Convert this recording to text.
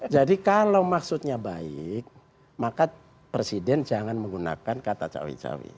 jadi kalau maksudnya baik maka presiden jangan menggunakan kata cewek cewek